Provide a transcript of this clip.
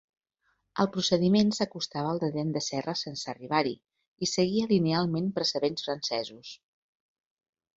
El procediment s’acostava al de dent de serra sense arribar-hi, i seguia linealment precedents francesos.